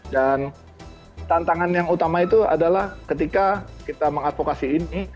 dan tantangan yang utama itu adalah ketika kita mengadvokasi ini